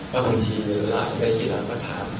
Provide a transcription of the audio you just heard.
พี่คุณเล่อะได้ขีดแล้วก็ถาม